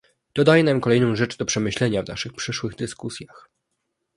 To daje nam kolejną rzecz do przemyślenia w naszych przyszłych dyskusjach